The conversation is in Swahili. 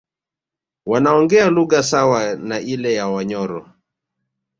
Wanaongea lugha sawa na ile ya Wanyoro